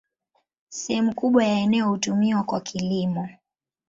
Sehemu kubwa ya eneo hutumiwa kwa kilimo.